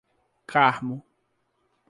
Carmo